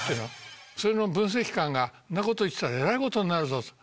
それの分析官がそんなこと言ってたらえらいことになるぞと。